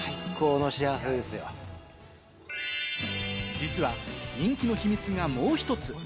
実は人気の秘密がもう１つ。